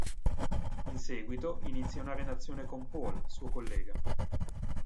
In seguito inizia una relazione con Paul, suo collega.